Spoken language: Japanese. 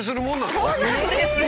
そうなんですよ。